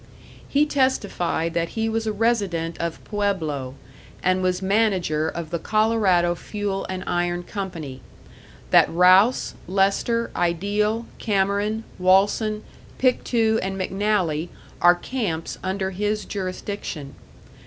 He testified that he was a resident of Pueblo, and was manager of the Colorado Fuel and Iron Company; that Rouse, Lester, Ideal, Cameron, Walsen, Pictou and McNally are camps under his jurisdiction.